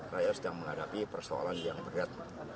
rakyat sedang menghadapi persoalan yang berat